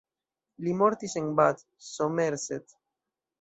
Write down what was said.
Li mortis en Bath, Somerset.